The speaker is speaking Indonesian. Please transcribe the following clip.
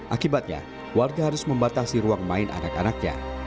akibatnya warga harus membatasi ruang main anak anaknya